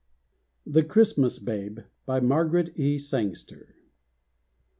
THE CHRISTMAS BABE. BY MARGARET E. SANGSTER.